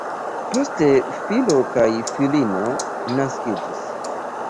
Poste filo kaj filino naskiĝis.